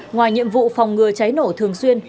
ngoài nhiệm vụ phòng ngừa cháy nổ thường xuyên